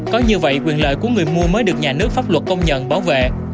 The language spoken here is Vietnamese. có như vậy quyền lợi của người mua mới được nhà nước pháp luật công nhận bảo vệ